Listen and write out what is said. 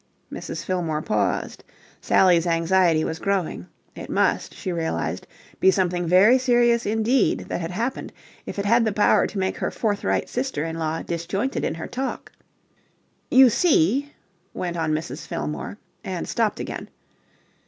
Mrs. Fillmore paused. Sally's anxiety was growing. It must, she realized, be something very serious indeed that had happened if it had the power to make her forthright sister in law disjointed in her talk. "You see..." went on Mrs. Fillmore, and stopped again.